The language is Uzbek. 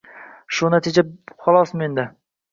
Shu natija xolos menda.